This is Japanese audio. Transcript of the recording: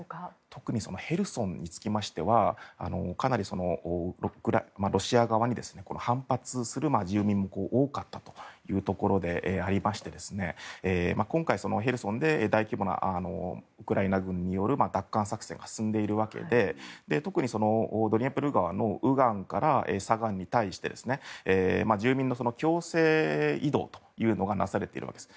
特にヘルソンにつきましてはかなりロシア側に反発する住民も多かったというところでありまして今回へルソンで大規模なウクライナ軍による奪還作戦が進んでいるわけで特にドニエプル川の右岸から左岸に対して住民の強制移動というのがなされているわけです。